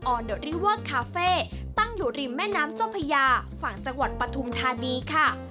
เดอริเวอร์คาเฟ่ตั้งอยู่ริมแม่น้ำเจ้าพญาฝั่งจังหวัดปฐุมธานีค่ะ